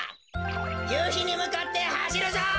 ゆうひにむかってはしるぞ！